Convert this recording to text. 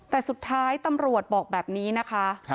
แต่สุดท้ายตำรวจบอกแบบนี้นะคะ